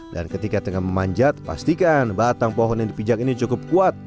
dan ketika tengah memanjat pastikan batang pohon yang dipijak ini cukup kuat